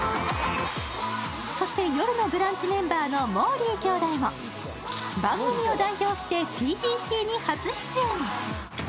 そして「よるのブランチ」メンバーのもーりー兄弟も番組を代表して、ＴＧＣに初出演。